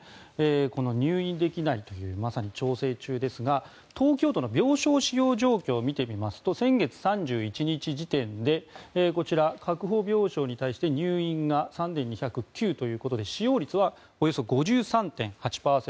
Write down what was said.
この入院できないというまさに調整中ですが東京都の病床使用状況を見てみますと先月３１日時点でこちら、確保病床に対して入院が３２０９ということで使用率はおよそ５３．８％。